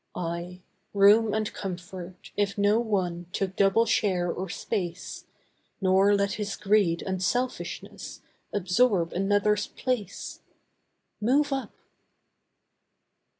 Ay, room and comfort, if no one Took double share or space, Nor let his greed and selfishness Absorb another's place. Move up!